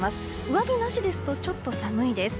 上着なしですとちょっと寒いです。